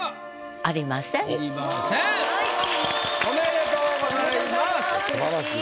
ありがとうございます。